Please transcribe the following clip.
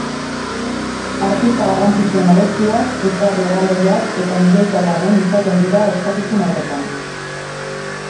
Artista garrantzitsuen abestiak, puzgarri erraldoiak eta milioika lagun izaten dira ospakizun horretan.